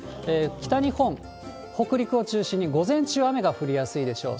北日本、北陸を中心に、午前中、雨が降りやすいでしょう。